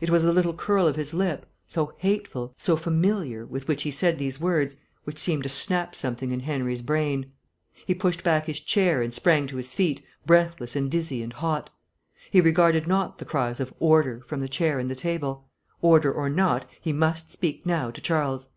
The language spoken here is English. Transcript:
It was the little curl of his lip, so hateful, so familiar, with which he said these words, which seemed to snap something in Henry's brain. He pushed back his chair and sprang to his feet, breathless and dizzy and hot. He regarded not the cries of "Order," from the chair and the table; order or not, he must speak now to Charles.